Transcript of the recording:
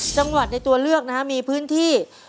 จังหวัดตัวเลือกมีพื้นที่